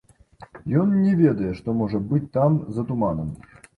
Ён не ведае, што можа быць там, за туманам.